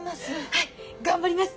はい頑張ります！